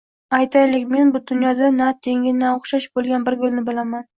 Aytaylik, men bu dunyoda na tengi, na o‘xshashi bo‘lgan bir gulni bilaman